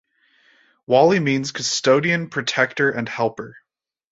Wali means "custodian", "protector" and "helper".